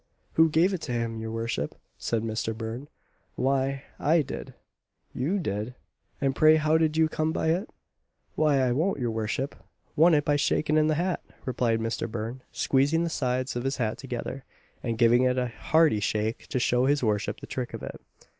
"Who gave it to him, your worship?" said Mister Burn, "Why, I did." "You did! and pray how did you come by it?" "Why, I won it, your worship won it by shaking in the hat;" replied Mister Burn, squeezing the sides of his hat together, and giving it a hearty shake to show his worship the trick of it.